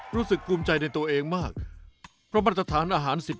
ขอบคุณครับ